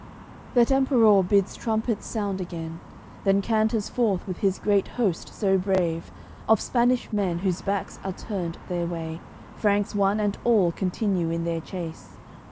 AOI. CLXXIX That Emperour bids trumpets sound again, Then canters forth with his great host so brave. Of Spanish men, whose backs are turned their way, Franks one and all continue in their chase.